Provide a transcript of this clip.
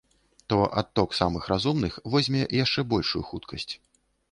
То адток самых разумных возьме яшчэ большую хуткасць.